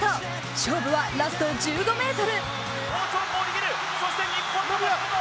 勝負はラスト１５ｍ。